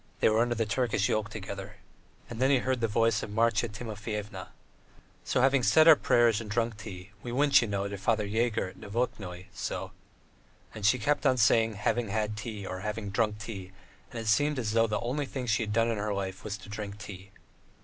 They were under the Turkish yoke together." And then he heard the voice of Marya Timofyevna: "So, having said our prayers and drunk tea, we went, you know, to Father Yegor at Novokatnoye, so. .." And she kept on saying, "having had tea" or "having drunk tea," and it seemed as though the only thing she had done in her life was to drink tea.